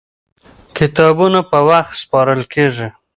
کتابونه په وخت سپارل کېږي.